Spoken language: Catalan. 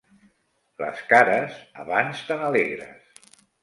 Les cares, abans tant alegres